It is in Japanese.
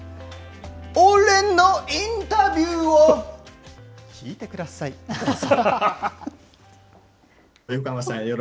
俺のインタビューを、聞いてください、どうぞ。